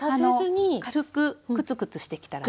軽くクツクツしてきたら。